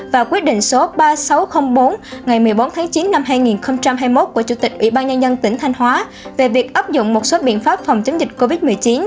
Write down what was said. và quyết định số ba nghìn sáu trăm linh bốn ngày một mươi bốn tháng chín năm hai nghìn hai mươi một của chủ tịch ủy ban nhân dân tỉnh thanh hóa về việc áp dụng một số biện pháp phòng chống dịch covid một mươi chín